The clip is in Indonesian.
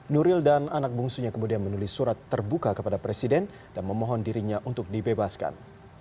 nuril dan anak bungsunya kemudian menulis surat terbuka kepada presiden dan memohon dirinya untuk dibebaskan